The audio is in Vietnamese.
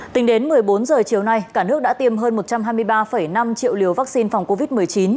tính đến một mươi bốn h chiều nay cả nước đã tiêm hơn một trăm hai mươi ba năm triệu liều vaccine phòng covid một mươi chín